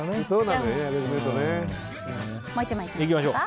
もう１枚いきましょう。